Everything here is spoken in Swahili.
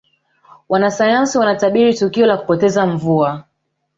wanasayansi wanatabiri tukio la kupoteza mvua